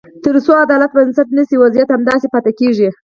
تر څو عدالت بنسټ نه شي، وضعیت همداسې پاتې کېږي.